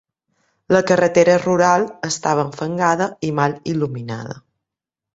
La carretera rural estava enfangada i mal il·luminada.